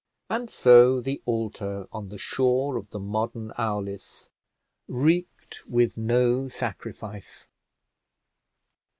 And so the altar on the shore of the modern Aulis reeked with no sacrifice.